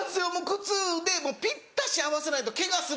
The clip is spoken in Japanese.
「靴ぴったし合わせないとケガするよ」。